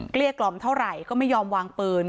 เกลี้กล่อมเท่าไหร่ก็ไม่ยอมวางปืน